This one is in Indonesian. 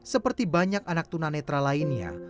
seperti banyak anak tunanetra lainnya